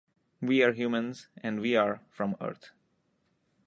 We are humans and we are from Earth.